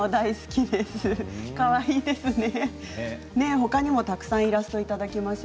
ほかにも、たくさんイラストをいただきました。